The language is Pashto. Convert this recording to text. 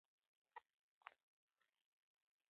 د نوي بانکي سیستم په اړه خلکو ته معلومات ورکول کیږي.